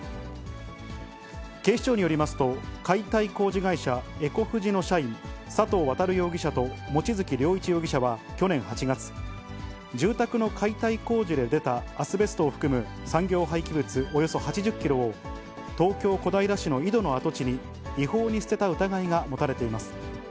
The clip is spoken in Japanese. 警視庁によりますと、解体工事会社、エコフジの社員、佐藤航容疑者と望月良一容疑者は去年８月、住宅の解体工事で出たアスベストを含む産業廃棄物およそ８０キロを、東京・小平市の井戸の跡地に違法に捨てた疑いが持たれています。